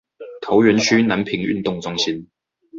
桃園區南平運動中心